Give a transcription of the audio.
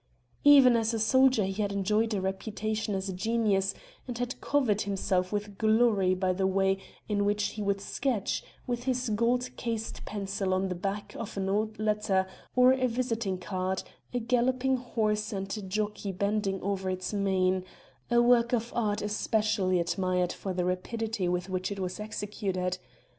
Even as a soldier he had enjoyed a reputation as a genius and had covered himself with glory by the way in which he could sketch, with his gold cased pencil on the back of an old letter or a visiting card, a galloping horse and a jockey bending over its mane; a work of art especially admired for the rapidity with which it was executed.